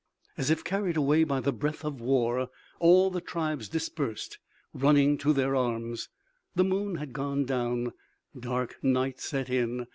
'" As if carried away by the breath of war, all the tribes dispersed, running to their arms. The moon had gone down; dark night set in.